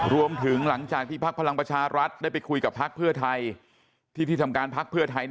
รวมถึงหลังจากที่ภักดิ์ภารังประชารัฐได้ไปคุยกับภักดิ์เพื่อไทย